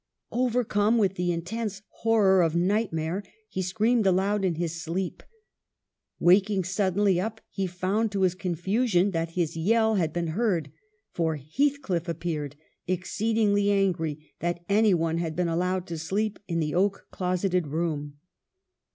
Over come with the intense horror of nightmare, he screamed aloud in his sleep. Waking suddenly up he found to his confusion that his yell had been heard, for Heathcliff appeared, exceedingly angry that any one had been allowed to sleep in the oak closeted room.